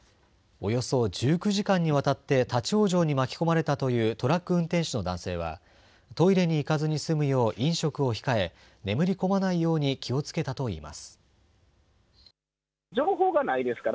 およそ１９時間にわたって立往生に巻き込まれたというトラック運転手の男性はトイレに行かずに済むよう飲食を控え眠り込まないように気をつけたといいます。